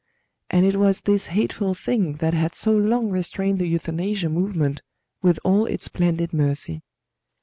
And it was this hateful thing that had so long restrained the euthanasia movement with all its splendid mercy.